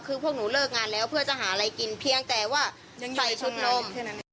คือพวกหนูเลิกงานแล้วเพื่อจะหาอะไรกินเพียงแต่ว่าใส่ชุดนม